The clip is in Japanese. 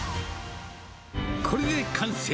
これで完成。